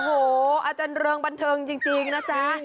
โอ้โหอาจารย์เริงบันเทิงจริงนะจ๊ะ